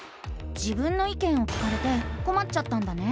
「自分の意見」を聞かれてこまっちゃったんだね？